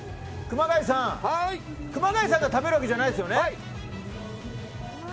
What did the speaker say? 熊谷さんが食べるわけじゃないですよね？